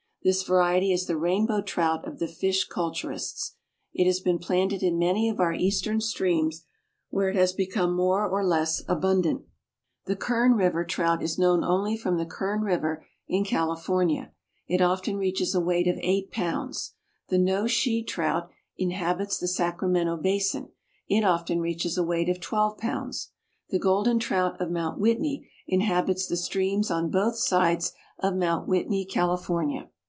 This variety is the Rainbow Trout of the fish culturists. It has been planted in many of our eastern streams, where it has become more or less abundant. The Kern River Trout is known only from the Kern River in California. It often reaches a weight of eight pounds. The No Shee Trout inhabits the Sacramento basin; it often reaches a weight of twelve pounds. The Golden Trout of Mount Whitney inhabits the streams on both sides of Mount Whitney, California.